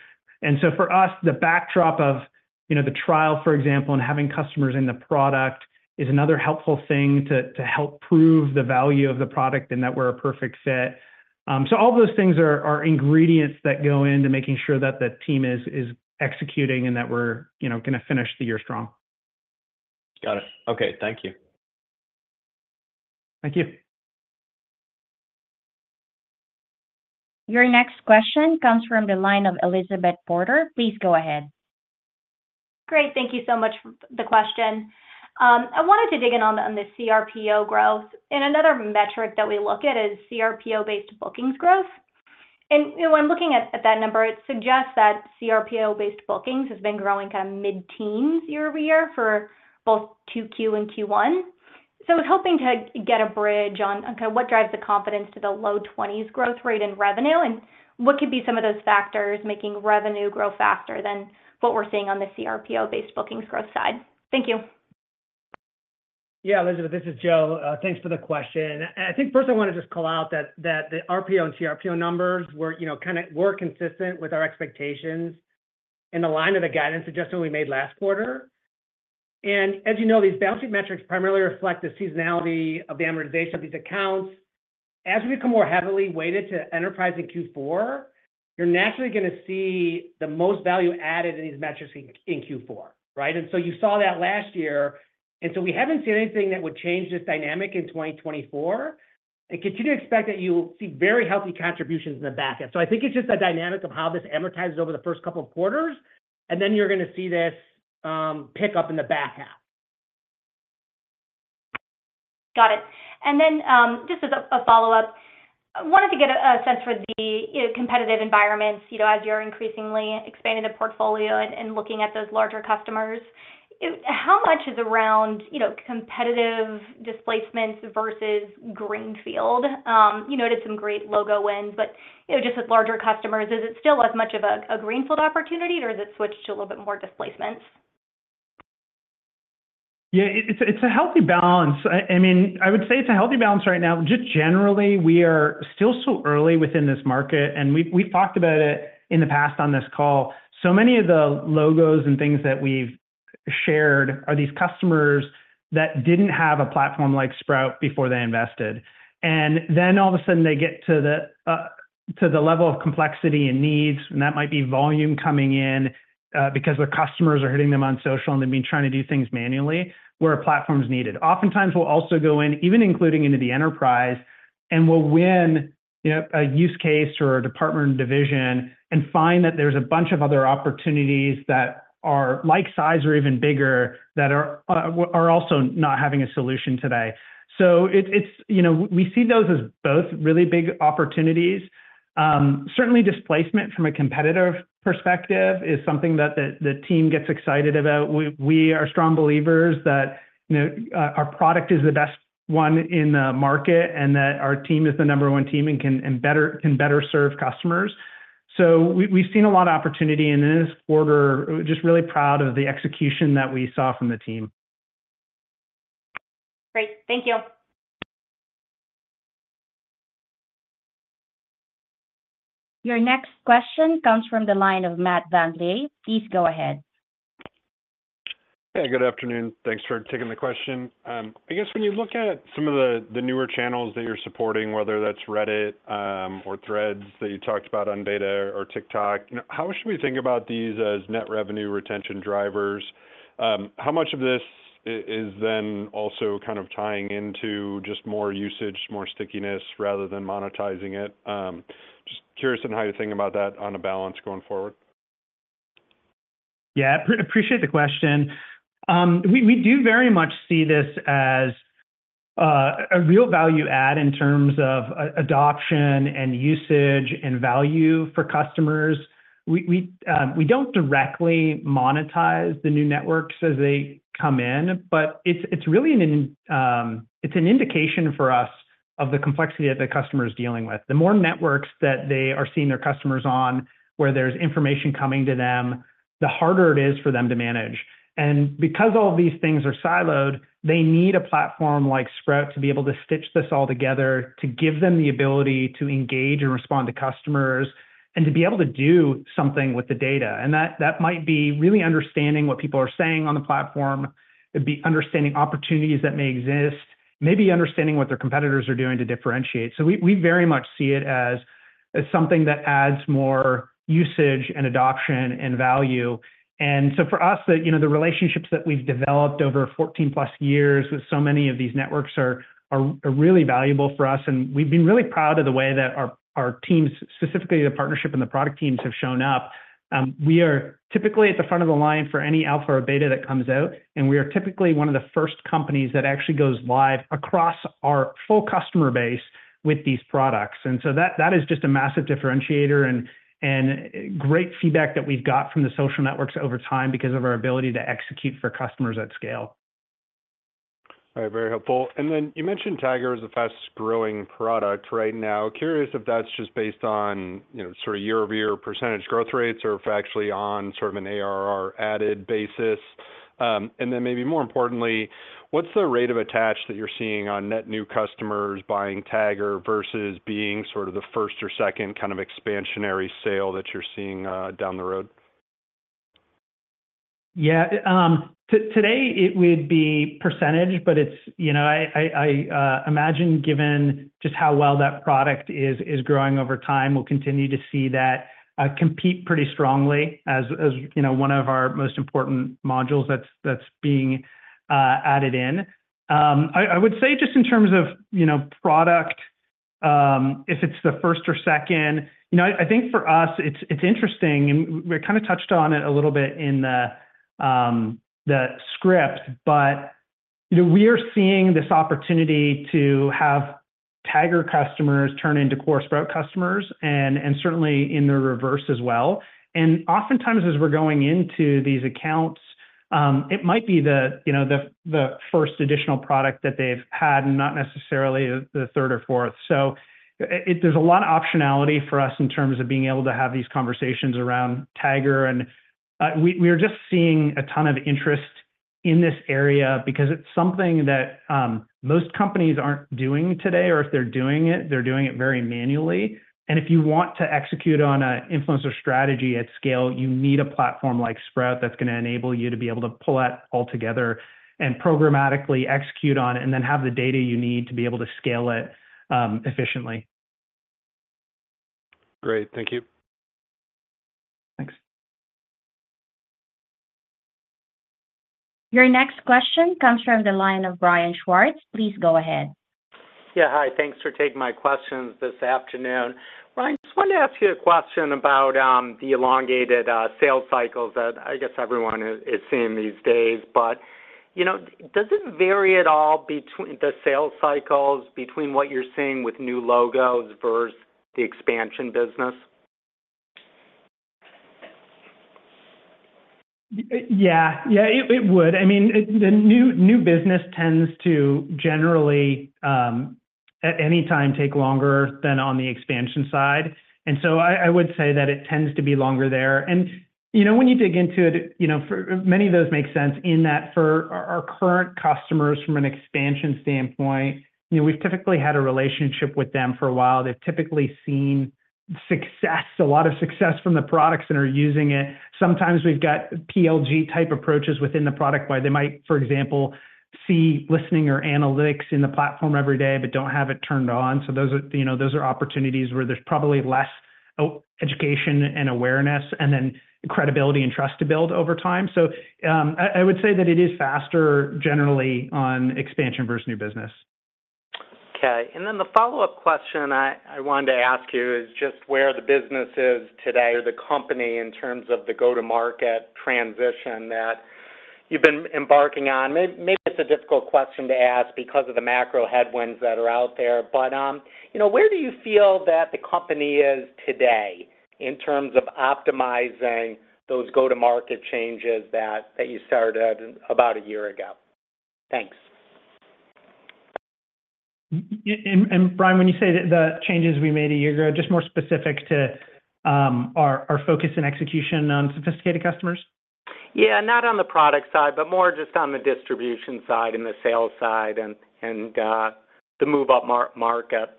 And so for us, the backdrop of, you know, the trial, for example, and having customers in the product is another helpful thing to to help prove the value of the product and that we're a perfect fit. So all those things are ingredients that go into making sure that the team is is executing and that we're, you know, gonna finish the year strong. Got it. Okay. Thank you. Thank you. Your next question comes from the line of Elizabeth Porter. Please go ahead. Great. Thank you so much for the question. I wanted to dig in on the CRPO growth. And another metric that we look at is CRPO-based bookings growth. And, you know, when looking at that number, it suggests that CRPO-based bookings has been growing kind of mid-teens year-over-year for both 2Q and Q1. So I was hoping to get a bridge on kind of what drives the confidence to the low twenties growth rate in revenue, and what could be some of those factors making revenue grow faster than what we're seeing on the CRPO-based bookings growth side? Thank you. Yeah, Elizabeth, this is Joe. Thanks for the question. I think first I wanna just call out that the RPO and CRPO numbers were, you know, kinda consistent with our expectations in the line of the guidance suggestion we made last quarter. And as you know, these balance sheet metrics primarily reflect the seasonality of the amortization of these accounts. As we become more heavily weighted to enterprise in Q4, you're naturally gonna see the most value added in these metrics in Q4, right? And so you saw that last year, and so we haven't seen anything that would change this dynamic in 2024. And continue to expect that you'll see very healthy contributions in the back end. So I think it's just a dynamic of how this amortizes over the first couple of quarters, and then you're gonna see this pick up in the back half. Got it. And then, just as a follow-up, I wanted to get a sense for the, you know, competitive environments, you know, as you're increasingly expanding the portfolio and looking at those larger customers. How much is around, you know, competitive displacements versus greenfield? You noted some great logo wins, but, you know, just with larger customers, is it still as much of a greenfield opportunity, or is it switched to a little bit more displacement? Yeah, it's, it's a healthy balance. I mean, I would say it's a healthy balance right now. Just generally, we are still so early within this market, and we've, we've talked about it in the past on this call. So many of the logos and things that we've shared are these customers that didn't have a platform like Sprout before they invested. And then all of a sudden they get to the, to the level of complexity and needs, and that might be volume coming in, because their customers are hitting them on social, and they've been trying to do things manually where a platform is needed. Oftentimes, we'll also go in, even including into the enterprise, and we'll win, you know, a use case or a department division and find that there's a bunch of other opportunities that are like size or even bigger, that are also not having a solution today. So it's it's, you know, we see those as both really big opportunities. Certainly displacement from a competitive perspective is something that the team gets excited about. We are strong believers that, you know, our product is the best one in the market, and that our team is the number one team and can better serve customers. So we've seen a lot of opportunity in this quarter. We're just really proud of the execution that we saw from the team. Great. Thank you. Your next question comes from the line of Matt VanVliet. Please go ahead. Hey, good afternoon. Thanks for taking the question. I guess when you look at some of the newer channels that you're supporting, whether that's Reddit or Threads that you talked about on data or TikTok, you know, how should we think about these as net revenue retention drivers? How much of this is then also kind of tying into just more usage, more stickiness, rather than monetizing it? Just curious on how you think about that on a balance going forward. Yeah. Appreciate the question. We, we do very much see this as a real value add in terms of adoption and usage and value for customers. We, we, we don't directly monetize the new networks as they come in, but it's, it's really an, it's an indication for us of the complexity that the customer is dealing with. The more networks that they are seeing their customers on, where there's information coming to them, the harder it is for them to manage. And because all of these things are siloed, they need a platform like Sprout to be able to stitch this all together, to give them the ability to engage and respond to customers, and to be able to do something with the data. And that, that might be really understanding what people are saying on the platform. It'd be understanding opportunities that may exist, maybe understanding what their competitors are doing to differentiate. So we very much see it as something that adds more usage and adoption and value. And so for us, you know, the relationships that we've developed over 14+ years with so many of these networks are really valuable for us. And we've been really proud of the way that our our teams, specifically the partnership and the product teams, have shown up. We are typically at the front of the line for any alpha or beta that comes out, and we are typically one of the first companies that actually goes live across our full customer base with these products. And so that that is just a massive differentiator and great feedback that we've got from the social networks over time because of our ability to execute for customers at scale. All right. Very helpful. And then you mentioned Tagger is the fastest-growing product right now. Curious if that's just based on, you know, sort of year-over-year percentage growth rates or if actually on sort of an ARR added basis? And then maybe more importantly, what's the rate of attach that you're seeing on net new customers buying Tagger versus being sort of the first or second kind of expansionary sale that you're seeing down the road? Yeah. Today it would be percentage, but it's, you know, I I imagine given just how well that product is growing over time, we'll continue to see that compete pretty strongly as, you know, one of our most important modules that that's being added in. I would say just in terms of, you know, product, if it's the first or second, you know, I think for us, it's interesting, and we kind of touched on it a little bit in the the script, but, you know, we are seeing this opportunity to have Tagger customers turn into core Sprout customers, and certainly in the reverse as well. And oftentimes, as we're going into these accounts, it might be the, you know, the first additional product that they've had, and not necessarily the third or fourth. So there's a lot of optionality for us in terms of being able to have these conversations around Tagger, and we are just seeing a ton of interest in this area because it's something that most companies aren't doing today, or if they're doing it, they're doing it very manually. And if you want to execute on an influencer strategy at scale, you need a platform like Sprout that's gonna enable you to be able to pull that all together and programmatically execute on it, and then have the data you need to be able to scale it efficiently. Great. Thank you. Thanks. Your next question comes from the line of Brian Schwartz. Please go ahead. Yeah, hi. Thanks for taking my questions this afternoon. Ryan, just wanted to ask you a question about the elongated sales cycles that I guess everyone is, is seeing these days. But, you know, does it vary at all between the sales cycles, between what you're seeing with new logos versus the expansion business? Yeah. Yeah, it would. I mean, it - the new, new business tends to generally, at any time, take longer than on the expansion side. And so I would say that it tends to be longer there. And, you know, when you dig into it, you know, for many of those make sense in that for our, our current customers from an expansion standpoint, you know, we've typically had a relationship with them for a while. They've typically seen success, a lot of success from the products and are using it. Sometimes we've got PLG-type approaches within the product, where they might, for example, see listening or analytics in the platform every day, but don't have it turned on. So those are, you know, those are opportunities where there's probably less, education and awareness and then credibility and trust to build over time. So, I would say that it is faster generally on expansion versus new business. Okay. And then the follow-up question I wanted to ask you is just where the business is today, or the company, in terms of the go-to-market transition that you've been embarking on. Maybe it's a difficult question to ask because of the macro headwinds that are out there, but, you know, where do you feel that the company is today in terms of optimizing those go-to-market changes that you started about a year ago? Thanks. Brian, when you say the changes we made a year ago, just more specific to our focus and execution on sophisticated customers? Yeah, not on the product side, but more just on the distribution side and the sales side and and the move up market.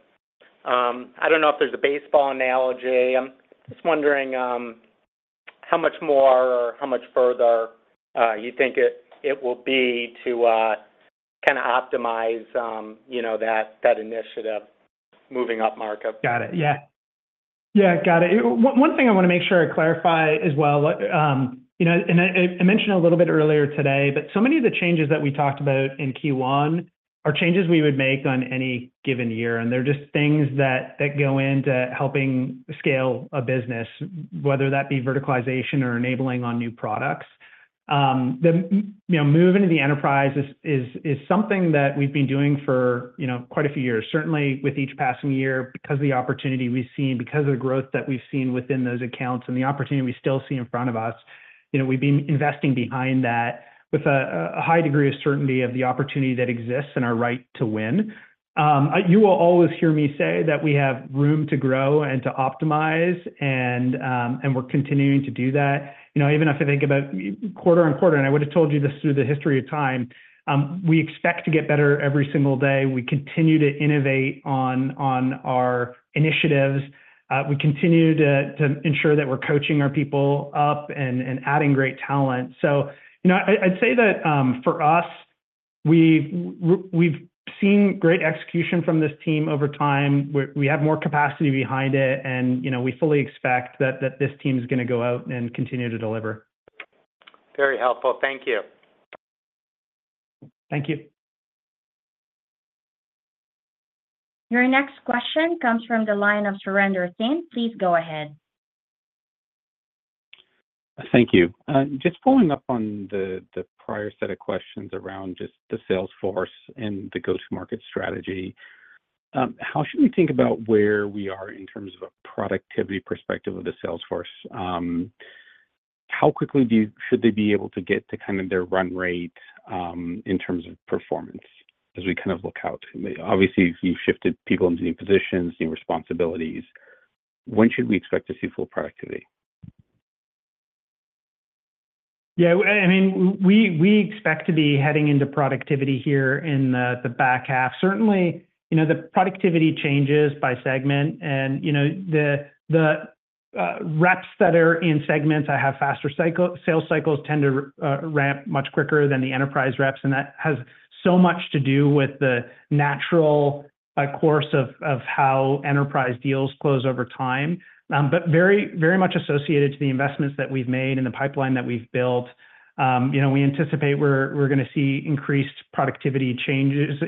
I don't know if there's a baseball analogy. I'm just wondering how much more or how much further you think it will be to kinda optimize you know that that initiative moving up market? Got it. Yeah. Yeah, got it. One thing I wanna make sure I clarify as well, you know, and I mentioned a little bit earlier today, but so many of the changes that we talked about in Q1 are changes we would make on any given year, and they're just things that go into helping scale a business, whether that be verticalization or enabling on new products. You know, moving to the enterprise is is something that we've been doing for, you know, quite a few years. Certainly, with each passing year, because of the opportunity we've seen, because of the growth that we've seen within those accounts and the opportunity we still see in front of us, you know, we've been investing behind that with a high degree of certainty of the opportunity that exists and our right to win. You will always hear me say that we have room to grow and to optimize, and, and we're continuing to do that. You know, even if I think about quarter on quarter, and I would have told you this through the history of time, we expect to get better every single day. We continue to innovate on on our initiatives. We continue to ensure that we're coaching our people up and adding great talent. So, you know, I'd say that, for us, we've we've seen great execution from this team over time, we have more capacity behind it, and, you know, we fully expect that this team is gonna go out and continue to deliver. Very helpful. Thank you. Thank you. Your next question comes from the line of Sreeram Singh. Please go ahead. Thank you. Just following up on the, the prior set of questions around just the sales force and the go-to-market strategy, how should we think about where we are in terms of a productivity perspective of the sales force? How quickly should they be able to get to kind of their run rate in terms of performance as we kind of look out? Obviously, you've shifted people into new positions, new responsibilities. When should we expect to see full productivity? Yeah, I mean, we expect to be heading into productivity here in the back half. Certainly, you know, the productivity changes by segment and, you know, the reps that are in segments that have faster sales cycles tend to ramp much quicker than the enterprise reps, and that has so much to do with the natural course of of how enterprise deals close over time. But very, very much associated to the investments that we've made and the pipeline that we've built, you know, we anticipate we're we're gonna see increased productivity changes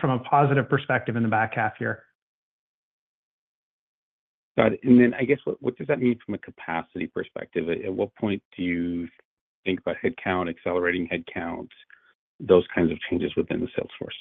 from a positive perspective in the back half year. Got it. And then I guess, what does that mean from a capacity perspective? At what point do you think about headcount, accelerating headcount, those kinds of changes within the sales force?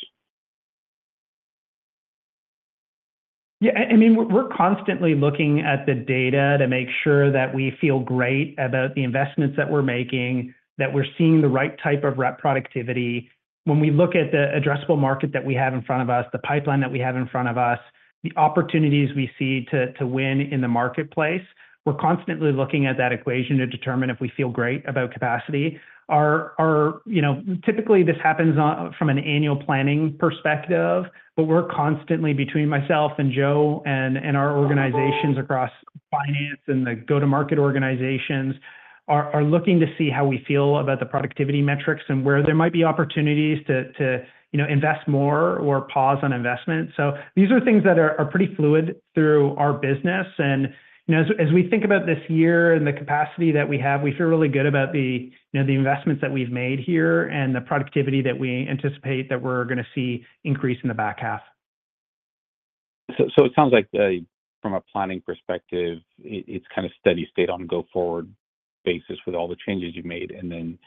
Yeah, I mean, we're constantly looking at the data to make sure that we feel great about the investments that we're making, that we're seeing the right type of rep productivity. When we look at the addressable market that we have in front of us, the pipeline that we have in front of us, the opportunities we see to win in the marketplace, we're constantly looking at that equation to determine if we feel great about capacity. Our our, you know, typically, this happens on, from an annual planning perspective, but we're constantly, between myself and Joe and, and our organizations across finance and the go-to-market organizations, are looking to see how we feel about the productivity metrics and where there might be opportunities to to, you know, invest more or pause on investment. So these are things that are pretty fluid through our business. And you know, as we think about this year and the capacity that we have, we feel really good about the, you know, the investments that we've made here and the productivity that we anticipate that we're gonna see increase in the back half. So, it sounds like, from a planning perspective, it's kind of steady state on a go-forward basis with all the changes you've made, and then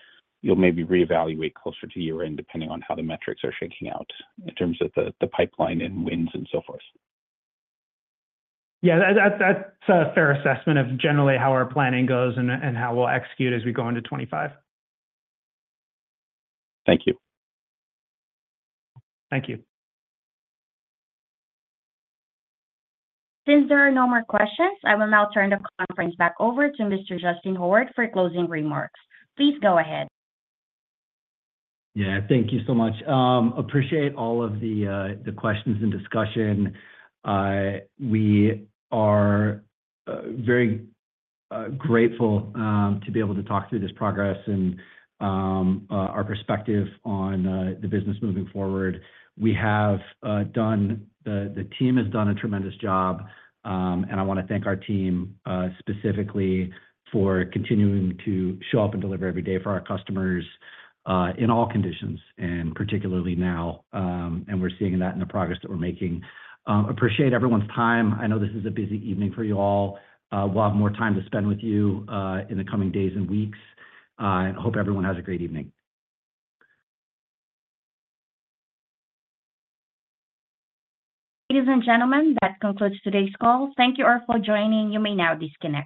you'll maybe reevaluate closer to year-end, depending on how the metrics are shaking out in terms of the pipeline and wins and so forth. Yeah, that's a fair assessment of generally how our planning goes and how we'll execute as we go into 2025. Thank you. Thank you. Since there are no more questions, I will now turn the conference back over to Mr. Justyn Howard for closing remarks. Please go ahead. Yeah, thank you so much. Appreciate all of the questions and discussion. We are very grateful to be able to talk through this progress and our perspective on the business moving forward. We have done. The team has done a tremendous job, and I wanna thank our team specifically for continuing to show up and deliver every day for our customers in all conditions, and particularly now, and we're seeing that in the progress that we're making. Appreciate everyone's time. I know this is a busy evening for you all. We'll have more time to spend with you in the coming days and weeks, and hope everyone has a great evening. Ladies and gentlemen, that concludes today's call. Thank you all for joining. You may now disconnect.